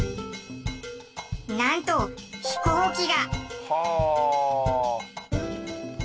なんと飛行機が。はあ！